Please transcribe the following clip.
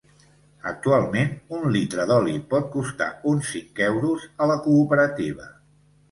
Actualment un litre d'oli pot costar uns cinc euros a la cooperativa.